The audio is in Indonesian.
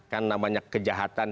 karena banyak kejahatan